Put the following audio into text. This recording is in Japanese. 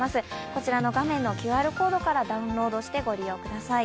こちらの画面のＱＲコードからダウンロードしてご利用ください。